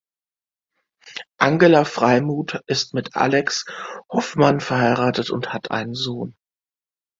Angela Freimuth ist mit Axel Hoffmann verheiratet und hat einen Sohn.